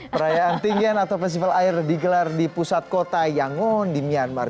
perayaan tingen atau festival air digelar di pusat kota yangon di myanmar